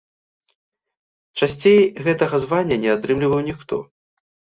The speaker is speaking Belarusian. Часцей гэтага звання не атрымліваў ніхто.